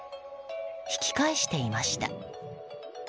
引き返していました。